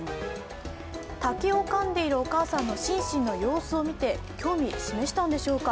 竹をかんでいるお母さんのシンシンの様子を見て興味、示したんでしょうか。